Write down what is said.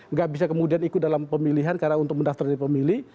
nggak bisa kemudian ikut dalam pemilihan karena untuk mendaftar di pemilih